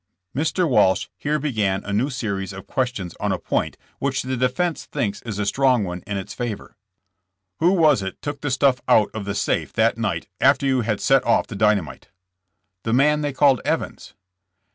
Mr. Walsh here began a new series of questions on a point which the defense thinks is a strong one in its favor. "Who was it took the stuff out of the safe that night after you had set off the dynamite?" '' The man they called Evans.